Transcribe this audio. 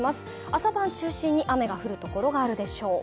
朝晩中心に雨が降るところがあるでしょう。